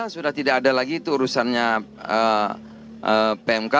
sudah tidak ada lagi itu urusannya pmk